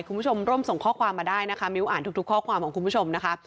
คุณผู้ชมร่วมส่งข้อความมาได้นะคะมิ้วอ่านทุกข้อความของคุณผู้ชมนะคะ